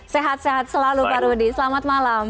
sehat sehat selalu pak rudi selamat malam